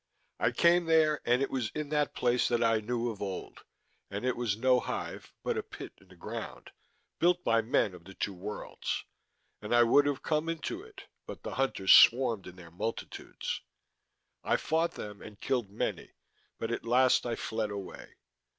_ _I came there and it was in that place that I knew of old, and it was no hive, but a pit in the ground, built by men of the Two Worlds. And I would have come into it, but the Hunters swarmed in their multitudes. I fought them and killed many, but at last I fled away.